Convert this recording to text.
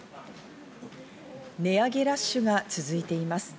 値上げラッシュが続いています。